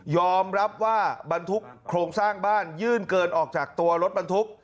อมรับว่าบรรทุกโครงสร้างบ้านยื่นเกินออกจากตัวรถบรรทุก